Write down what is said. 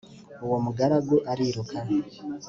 uwo mugaragu ariruka